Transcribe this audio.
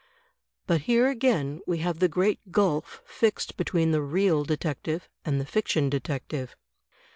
But here again we have the great gulf fixed between the Real Detective and the Fiction Detective.